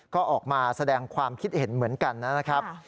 ก็ออกมาแสดงความคิดเห็นเหมือนกันนะครับ